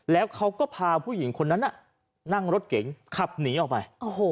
แล้วเขาก็พาผู้หญิงคนนั้นนั่งรถเก๋งขับหนีออกไป